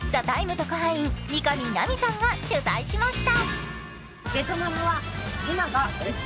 特派員三上ナミさんが取材しました。